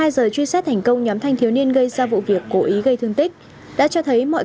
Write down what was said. hai giờ truy xét thành công nhóm thanh thiếu niên gây ra vụ việc cố ý gây thương tích đã cho thấy mọi